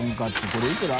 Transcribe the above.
これいくら？